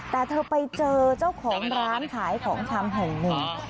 แต่เธอไปเจอเจ้าของร้านขายของชำแห่งหนึ่ง